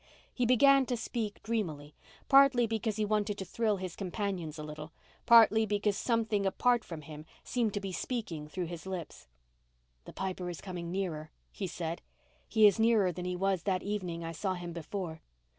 He began to speak dreamily, partly because he wanted to thrill his companions a little, partly because something apart from him seemed to be speaking through his lips. "The Piper is coming nearer," he said, "he is nearer than he was that evening I saw him before.